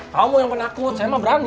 kamu yang pedakut saya mah berani